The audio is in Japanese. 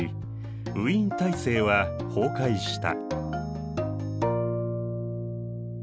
ウィーン体制は崩壊した。